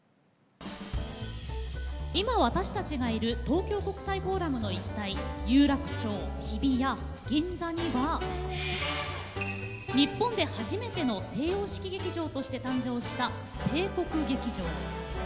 今私たちがいる東京国際フォーラムの一帯有楽町日比谷銀座には日本で初めての西洋式劇場として誕生した帝国劇場。